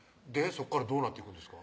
そっからどうなっていくんですか？